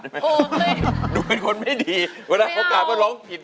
ดูเป็นคนไม่ดีเวลาโอกาสก็ร้องผิด